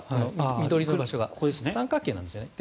緑色の場所が三角形なんですね。